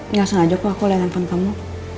enggak sengaja kok aku liat handphone kamu